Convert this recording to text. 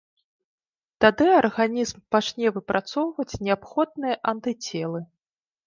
Тады арганізм пачне выпрацоўваць неабходныя антыцелы.